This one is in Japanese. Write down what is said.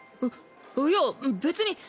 いいや別に。